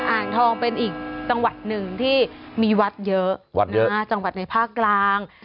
อ่างทองเป็นอีกจังหวัดหนึ่งที่มีวัดเยอะจังหวัดในภาคกลาง